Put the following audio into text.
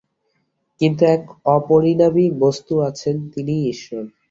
কিন্তু এক অপরিণামী বস্তু আছেন, তিনিই ঈশ্বর।